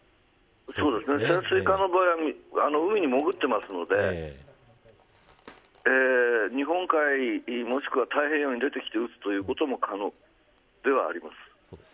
潜水艦の場合は海に潜っているので日本海もしくは太平洋に出てきて撃つということも可能ではあります。